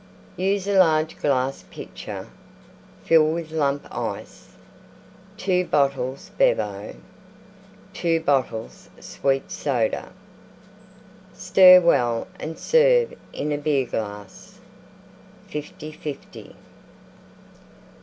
Use a large glass Pitcher; fill with Lump Ice. 2 bottles Bevo. 2 bottles Sweet Soda. Stir well and serve in a Beer glass. Fifty fifty.